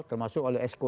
termasuk oleh esko